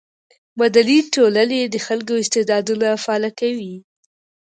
مدني ټولنې د خلکو استعدادونه فعاله کوي.